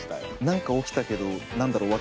何か起きたけど何だろう？